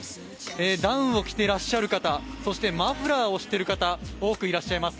ダウンを着ていらっしゃる方、そしてマフラーをしている方、多くいらっしゃいます。